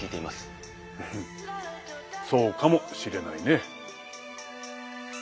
フフッそうかもしれないね。